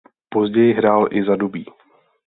Později hrál i za Dubí.